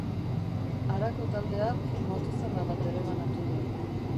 Harako talde hark motozerra bat bereganatu du.